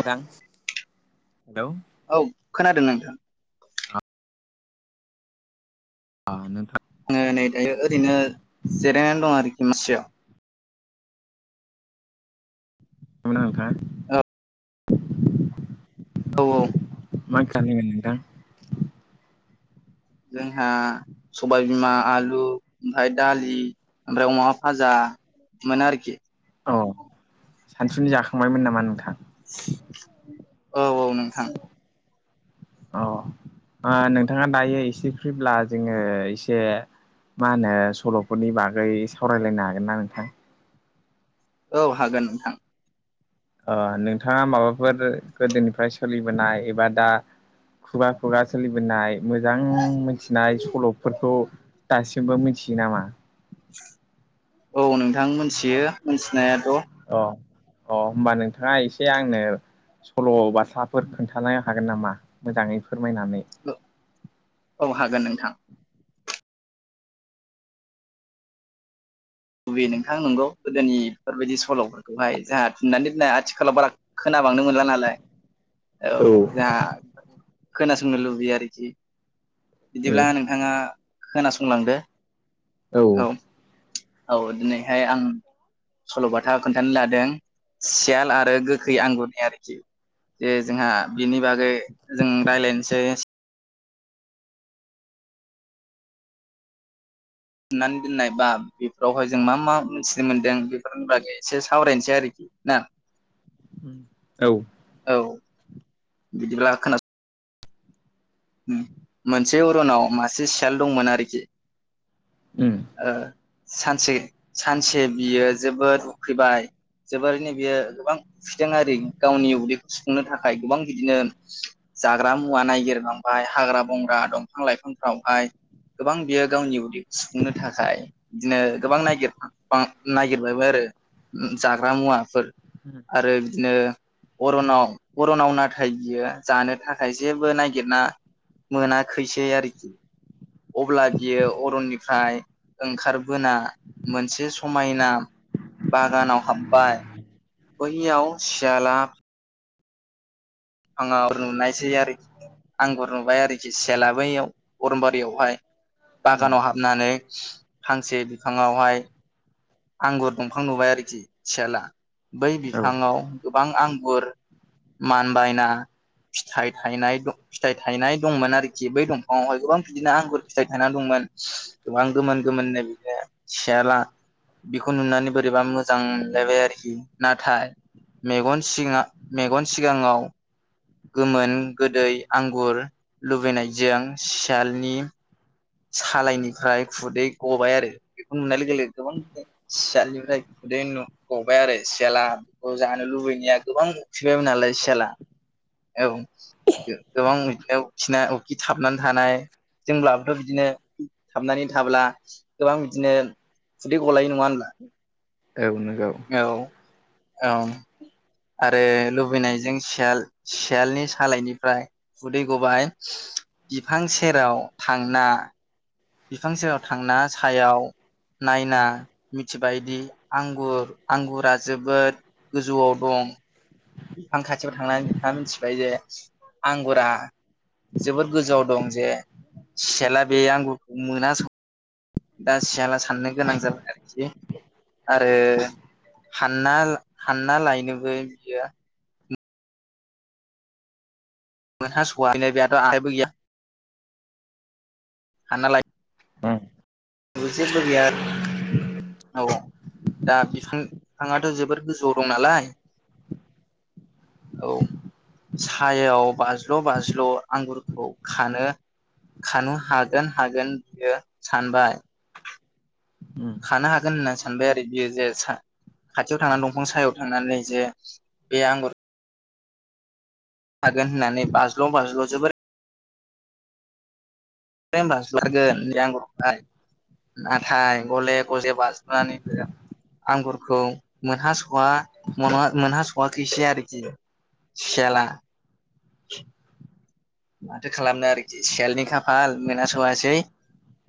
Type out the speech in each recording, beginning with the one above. औ आं हेल' औ खोनादों नोंथां। आ नोंथां। आङो नै दायो ओरैनो जिरायनानै दं आरोखि मासियाव। [unintelligible] नोंथां। औ औ मा ओंख्रि [unintelligible] नोंथां? जोंहा सबायबिमा आलु ओमफ्राय दालि ओमफ्राय अमा फाजा। मोन आरखि। औ सानसुनि जाखांबायमोन नामा नोंथां? औ औ नोंथां। [inaudible] अह ओ नोंथाङा दायो एसे फ्रिब्ला जोङो एसे मा होनो सल'फोरनि बागै सावरायलायनो हागोन ना नोंथां? औ हागोन नोंथां ओ नोंथाङा माबाफोर गोदोनिफ्राय सोलिबोनाय एबा दा खुगा खुगा सोलिबोनाय मोजां मिथिनाय सल'फोरखौ दासिमबो मिथियो नामा औ नोंथां मोनथियो मिथिनायाथ' अ अ होम्बा नोंथाङा एसे आंनो सल' बाथाफोर खोन्थानो हागोन नामा मोजाङै फोरमायनानै औ हागोन नोंथां बबे नोंथां नंगौ गोदोनि बेफोरबायदि सल'बो बेवहाय जोंहा थुननानै दोननाय आथिखालाव बारा खोनाबांनो मोनला नालाय। औ जोंहा खोनासंनो लुबैयो आरोखि। बिदिब्ला नोंथाङा खोनासंलांदो औ। औ दिनैहाय आं। सल'बाथा खोन्थानो लादों सियाल आरो गोखै आंगुरनि आरोखि। दे जोंहा बिनि बागै जों रायलायनोसै। थुननानै दोननाय बा बेफोरावहाय जों मा मा मोनथिनो मोनदों बेफोरनि बागै एसे सावरायनोसै आरो ना औ औ बिदिब्ला खोनासं होम मोनसे अरनाव मासे सियाल दंमोन आरोखि उम ओ सानसे सानसे बियो जोबोद उखैबाय जोबोरैनो बेयो गोबां खिदों आरि गावनि उदैखौ सुफुंनो थाखाय गोबां बिदिनो जाग्रा मुवा नायागिरलांबाय हाग्रा-बंग्रा दं फां-लाइफांफ्रावहाय गोबां बियो गावनि उदैखौ सु खुंनो थाखाय बिदिनो गोबां नायगिरफां नागिरबायबाय आरो जाग्रा मुवाफोर आरो बिदिनो अरनाव अरनाव नाथाय बियो जानो थाखाय जेबो नागिरना मोनाखैसै आरोखि अब्ला बियो अरननिफ्राय ओंखारबोना मोनसे समायना बागानाव हाबबाय बैयाव सियाला आं नुनायसै आरोखि आंगुर नुबाय आरोखि सियालाबैयाव अरनबारियावहाय बागानाव हाबनानै फांसे बिफाङावहाय आंगुर दंफां नुबाय आरोखि सियाला बै औ बिफांआव गोबां आंगुर मानबायना फिनाय फिथाइ थायनाय दंमोन आरोखि बै दंफाङावहाय गोबां बिदिनो आंगुर फिथाइ खानानै दंमोन गोबां गोमोन गोमोननो बिदिनो सियाला बेखौ नुनानै बोरैबा मोजां मोनलायबाय आरोखि नाथाय मेगन सिङा मेगन सिगाङाव गोमोन गोदै आंगुर लुबैनायजों सियालनि सालायनिफ्राय खुदै गबाय आरो बेखौ नुनाय लोगो लोगो गोबां सियालनिफ्राय खुदै न गबाय आरो सियाला बेखौ जानो लुबैनाया गोबांफिबायमोन नालाय सियाला औ गोबां बिदिनो खिनाय उखै-उखि थाबनानै थानाय जोंब्ला गोबां' बिदिनो थाबनानै थाब्ला गोबां बिदिनो खुदै गलाय नङा होनब्ला औ नोंगौ औ औ आरो लुबैनायजों सियाल सियालनि सालायनिफ्राय खुदै गबाय बिफां सेराव थांना बिफां सेराव थांना सायाव नायना मिथिबायदि आंगुर आंगुरा जोबोद गोजौआव दं बिफां खाथियावाव थांनानै बिथाङा मिथिबाय जे आंगुरा। जोबोद गोजौआव दं जे सियाला बे आंगुरखौ मोना दा सियाला साननो गोनां जाबाय आरोखि। आरो हानना हानना लायनोबो बियो मोनहास'हा [unintelligible] नै बेथ' आहायबो गैया हानना लाय उ‌म बो जेबो गैया [inaudible] औ दा बिफां बिफांआथ' जोबद गोजौआव दं नालाय [inaudible] औ सायाव बाज्ल'-बाज्ल' आंगुरखौ खानो खानो हागोन हागोन बेयो सानबाय उम सनो हागोन होनना सानबाय आरो बियो जे सा खाथियाव थांनानै दंफां सायाव थांनानै जे बे आंगुर हागोन होननानै बाज्ल' बाज्ल' जोबोर [unintelligible] बे आमगुरखौहाय नाथाय गले गजे बाज'नानै आंगुरखौ मोनहास'वा मोनहास'वाखैस आरोखि सियाला। [inaudible] माथो खालामनो आरोखि सियालनि खाफाल मोनहा स'वासै।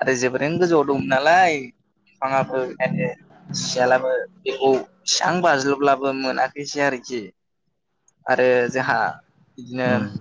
आरो जोबोरैनो गोजौआव दंमोन नालाय फिफाङाबो आरो सियालाबो बेखौ बेसां बाज्लोबब्लाबो मोनाखैसै आरोखि। आरो जोंहा बिदिनो उम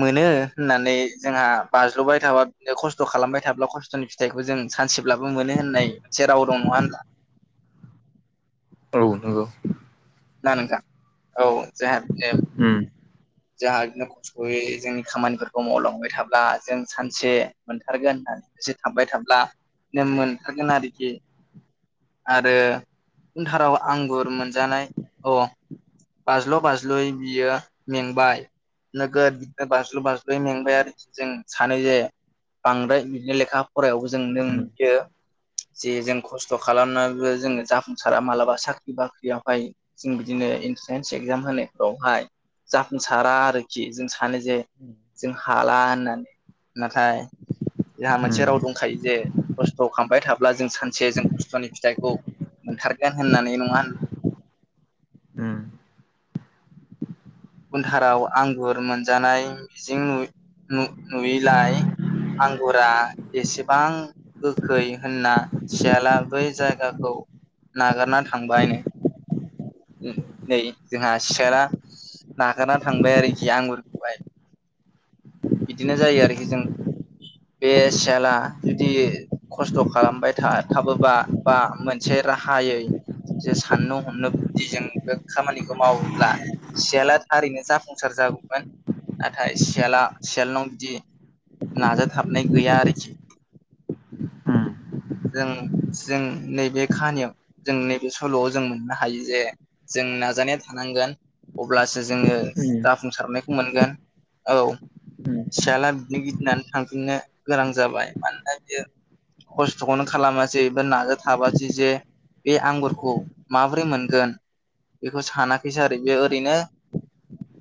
मोनो होननानै जोंहा बाज्ल'बाय थाबा बिदिनो खस्थ' खालामबाय थाब्ला खस्थ'नि फिथाइखौ जों सानसेब्लाबो मोनो होननाय सेराव दंङ नङा [unintelligible] ला औ नोंगौ। ना नोंथां औ जोंहा बिदिनो उम। जोहा बिदिनो खस्थ'यै जोंनि खामानिफोरखौ मावलांबाय थाब्ला जों सानसे मोनथारगोन होननानै एसे थाबबाय थाब्ला नों मोनथरागोन आरोखि। आरो उनथाराव आंगुर मोनजानाय अ बाज्ल' बाज्ल'यै बियो मेंबाय नोगोद बिदिनो बाज्लु बाज्लु मेंबाय आरो जों सानो जे बांद्राय बिदिनो लेखा फरायावबो जों नों बियो जे जों खस्थ' खालामनानैबो जोंङो जाफुंसारा मालाबा सा ख्रि बाख्रियावहाय जों बिदिनो इन्ट्रेन्स एगजाम होनायफोरावहाय जाफुंसारा आरोखि। जों सानो जे उम जों हाला होननानै। नाथाय जोंहा मोनसे राव दं खायो जे खस्थ' खााबाय थाब्ला जों सानसे जों खस्थ'नि फिथाइखौ मोनथारगोन होननानै नङा होन उम। उनथाराव आंगुर मोनजानाय मिजिं नु-नुयैलाय आंगुरा एसेबां गोखै होनना सियाला बै जायगाखौ नागारना थांबायनो। नै जोंहा सियाला नागारना थांबाय आरोखि आंगुर बिदिनो जायो आरोखि जों बे सियाला जुदि खस्थ' खालामबाय था-थाबोबा बा मोनसे राहायै जे साननो हमनोदि जों बे खामानिखौ मावोब्ला सियाला थारैनो जाफुंसार जागौमोन नाथाय सियाला सियालनाव बिदि नाजाथाबनाय गैया आरोखि उम जों जों नैबे खाहानियाव जों नैबे सल'आव उम जों मोननो उम हायो जे जों नाजानाया थानांगोन अब्लासो जोंङो उम जाफुंसारनायखौ मोनगोन औ उम। सियाला बिदिनो गिदिंनानै थांफिननो गोनां जाबाय। मानोना बियो खस्थ'खौनो खालामासै नाजाथाबासै जे बे आंगुरखौ माबोरै मोनगोन बेखौ सानाखैसै आरो बेयो ओरैनो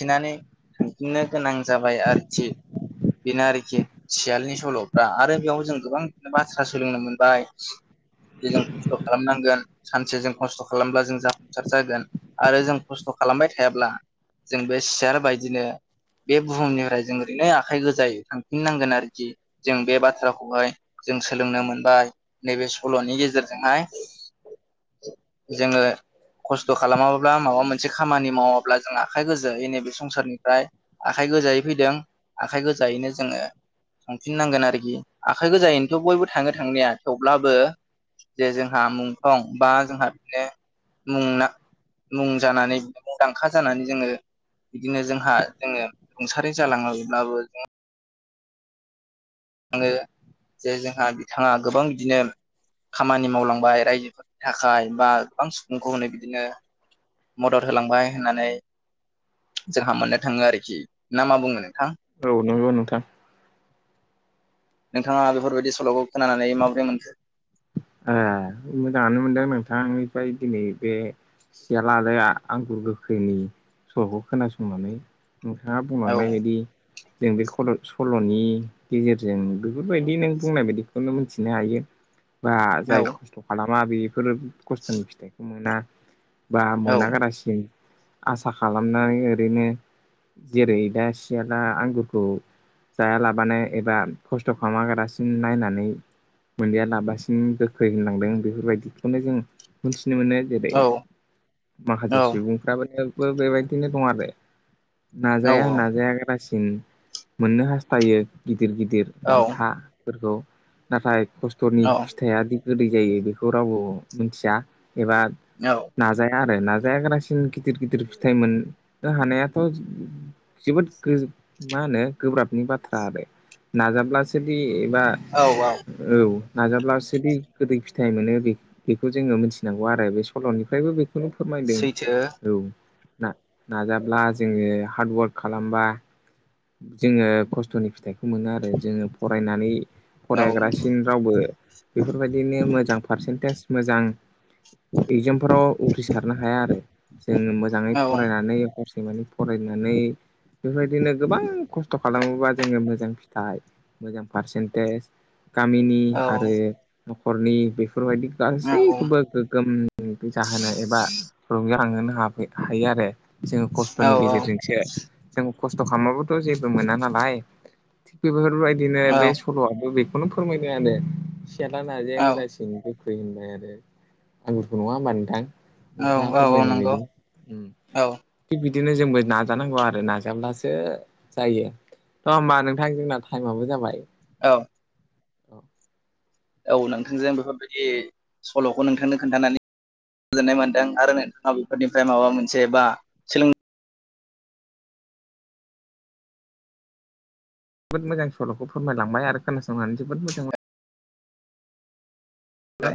फिनानै थांफिननो गोनां जाबाय आरोखि। बेनो आरोखि सियालनि सल'फ्रा आरो बेयाव जों गोबां बाथ्रा सोलोंनो मोनबाय जे जों खस्थ' खालामनांगोन सानसे जों खस्थ' खालामब्ला जों जाफुंसार जागोन। आरो जों खस्थ' खालामबाय थायाब्ला जों बे सियार बायदिनो बे बुहुमनिफ्राय जों ओरैनो आखाइ गोजायै थांफिननांगोन आरोखि जों बे बाथ्राखौहाय जों सोलोंनो मोनबाय नैबे सल'नि गेजेरजोंहाय जोंङो खस्थ' खालामाब्ला माबा मोनसे खामानि मावाब्ला जों आखाइ गोजायै नैबे संसारनिफ्राय आखाइ गोजायै फैदों आखाइ गोजायैनो जोङो थांफिननांगोन आरोखि आखाइ गोजायैनोथ' बयबो थाङो थांनाया थेवब्लाबो जे जोंहा मुंख्लं बा जोंहा बिदिनो मुंना मुं जानानै मुंदांखा जानानै जोङो बिदिनो जोंहा जोङो रुंसारि जालाङोब्लाबो आङो जे जोंहा बिथाङा गोबां बिदिनो खामानि मावलांबाय रायजोफोरनि थाखाय बा गोबां सुबुंखौ हनै बिदिनो मदद होलांबाय होननानै जोंहा मोननो थाङो आरोखि ना मा बुङो नोंथां औ नंगौ नोंथां नोंथाङा बेफोरबायदि सल'खौ खोनानानै माबोरै मोनखो ए मोजाङानो मोनदों नोंथांनिफ्राय दिनै बे सियाला आरो आंगुर गोखैनि सल'खौ खोनासंनानै नोंथाङा औ बुंलांनाय बायदि जों बे' सल'नि गेजेरजों बेफोरबायदि नों बुंनाय बायदिखौनो मिथिनो हायो बा औ जाय खस्थ' खालामा बेफोर खस्थ'नि फिथाइखौ मोना बा औ मोनागारासिन आसा खालामनानै ओरैनो जेरै दा सियाला आंगुरखौ जायालाबानो एबा खस्थ' खालामागारासिन नायनानै मोनदिया लाबासिनो ओम गोखै होनलांदों बेफोरबायदिखौनो जों मिथिनो मोनो जेरै औ औ माखासे सुबुंफ्राबो बेबायदिनो दं आरो औ नाजाया नाजाया गारासिन मोननो हास्थायो गिदिर गिदिर औ बान्था फोरखौ नाथाय खस्थ'नि औ फिथाया दि गोदै जायो बेखौ रावबो मिथिया एबा औ नाजाया आरो नाजायााग्रासिन गिदिर गिदिर फिथाइ मोननो हानायाथ' जोबोद मा होनो गोब्राबनि बाथ्रा आरो नाजाब्लासोदि एबा औ औ नाजाब्लासो बे गोदै फिथाइ मोनो बे बेखौ जोङो मिथिनांगौ आरो बे सल'निफ्रायबो बेखौनो फोरमायदों सैथो औ ना-नाजाब्ला जोङो हार्डवार्क खालामबा जोङो खस्थ'नि फिथाइखौ मोनो आरो जोङो फरायनानै औ फरायग्रासिन रावबो बेफोरबायदिनो मोजां पारसेन्टेज मोजां एगजामफोराव उथ्रिसारनो हाया आरो जों मोजाङै औ फरायनानै हरसे म फरायनानै बेफोरबायदिनो गोबां खस्थ' खालामोबा जोङो मोजां फ नथाय मोजां पारसेन्टेज गामिनि औ आरो न'खरनि बेफोरबायदि औ गासैखौबो गोगोम बे जाहोनाय एबा रलंजाखांहोनो ह हायो आरो। जोङो खस्थ'नि गेजेरजोंसो जों खस्थ' खालामाबोथ' जेबो मोना नालाय थिग बेफोरबायदिनो औ बे सल'आबो बेखौनो फोरमायदोंआनो सियाला नाजायाागोरासिनो गोखै होनबाय आरो आंगुरखौ नङा होनोमबा नोंथां नोंथाङा औ औ फोरमायनाय नंगौ बायदि औ थिग बिदिनो जोंबो नाजानांगौ आरो नाजाब्लासो जायो द' होमबा नोंथां जोंना थाइमाबबो जाबाय औ जोबोद औ नोंथांजों बेफोरबायदि सल'खौ नोंथांनो खोन्थानानै गोजोननाय मोनदों आरो नोंथांनाव बेफोरनिफ्राय माबा मोनसे बा सों जोबो मोजां स' फोरमायलांबाय आरो खोनासंनानै जोबोद मोजां मोनो ओमफ्राय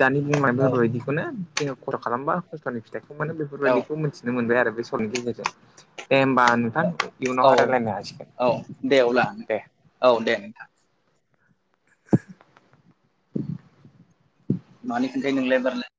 दानि बुंनाय औ बेफोरबायदिखौनो जोङो खहा' खालामबा नि फिथाइखौ म बेफोरबायाददिखौ मिथिनो मोनबाय आरो बे सलनि गेजेरजों दे होमबा नोंथां। औ इयुनावहाय रायलायनो हासिगोन औ दे अब्ला दे औ दे नोंथां। मानिनखोनथाय नंलाय बारलाय